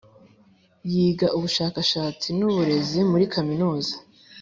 Yiga ubushakashatsi n uburezi muri Kaminuza